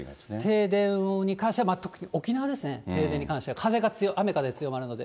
停電に関しては、特に沖縄ですね、停電に関しては、風が強い、雨風強まるので。